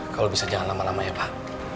kalau bisa jangan lama lama ya pak